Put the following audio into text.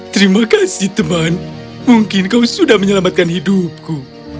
terima kasih teman mungkin kau sudah menyelamatkan hidupku